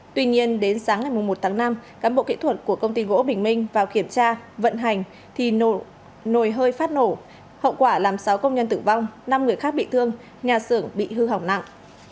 tuy nhiên đến sáng ngày một tháng năm cán bộ kỹ thuật của công ty gỗ bình minh vào kiểm tra vận hành thì nồi hơi phát nổ hậu quả làm sáu công nhân tử vong năm người khác bị thương nhà xưởng bị hư hỏng nặng